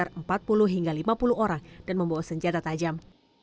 sekitar empat puluh hingga lima puluh orang dan membawa senjata tajam